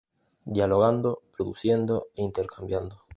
Dialogando, produciendo e intercambiando.